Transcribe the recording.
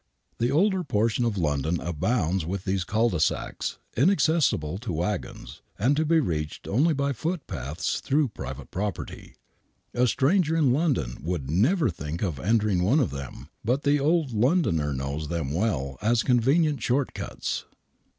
The older portion of London abounds with these cul de sacs, inaccessable to wagons, and to be reached only by footpaths through private property. A stranger in London would never think of entering one of them, but the old Londoner knows them well as convenient short cuts.